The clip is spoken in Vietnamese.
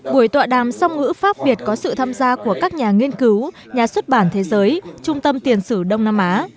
buổi tọa đàm song ngữ pháp việt có sự tham gia của các nhà nghiên cứu nhà xuất bản thế giới trung tâm tiền sử đông nam á